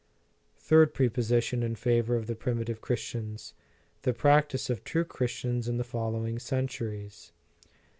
Third prepossession in favor of the primi tive Christians: The practice of true Chris tians in the following centuries.